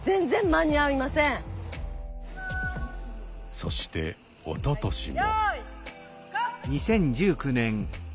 そしておととしも。